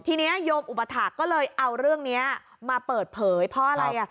ทีนี้โยมอุปถักษ์ก็เลยเอาเรื่องนี้มาเปิดเผยเพราะอะไร